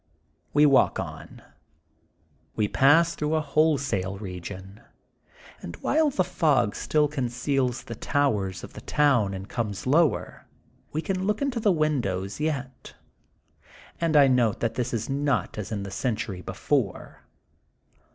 We walk on. We pass through a wholesale region, and while the fog still conceals the towers of the town and comes lower, we can look into the windows yet, and I note that this is not as in the century before.